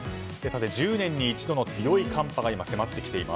１０年に一度の強い寒波が今、迫ってきています。